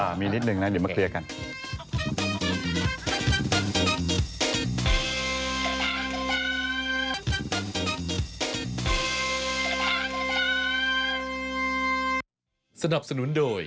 มีนิดนึงนะเดี๋ยวมาเคลียร์กัน